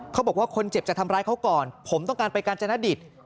เขาบอกว่าคนเจ็บจะทำร้ายเขาก่อนผมต้องการไปกาญจนดิต